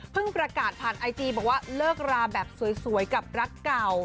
ประกาศผ่านไอจีบอกว่าเลิกราแบบสวยกับรักเก่า